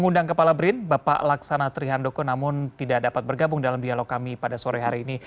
undang kepala brin bapak laksana trihandoko namun tidak dapat bergabung dalam dialog kami pada sore hari ini